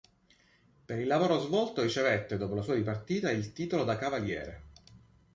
Per il lavoro svolto ricevette, dopo la sua dipartita, il titolo da Cavaliere.